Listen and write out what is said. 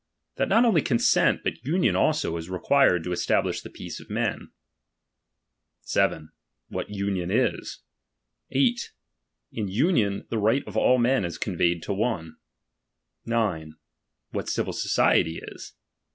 That not only consent, but union also, is required to establisli the peace of men. 7. What union ia. 8. In union, the right of ail men ii conveyed to one. 9 What civil society is.